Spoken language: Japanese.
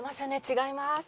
違います。